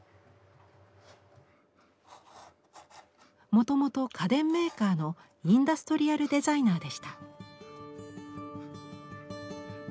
もともと家電メーカーのインダストリアルデザイナーでした。